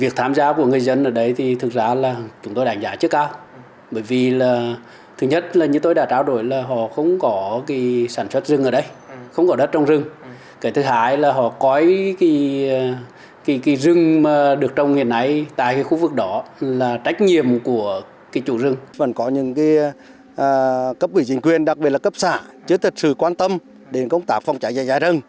chứ thực sự quan tâm đến công tác phòng cháy chữa cháy rừng